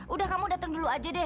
udah kamu datang dulu aja deh